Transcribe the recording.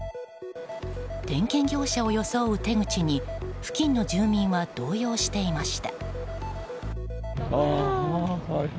点検業者を装う手口に付近の住民は動揺していました。